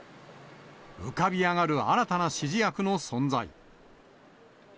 浮かび上がる新たな指示役の存在。